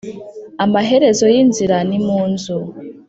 Amaherezo y’inzira ni mu nzu.